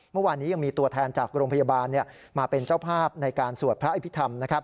เมื่อวานนี้ยังมีตัวแทนจากโรงพยาบาลมาเป็นเจ้าภาพในการสวดพระอภิษฐรรม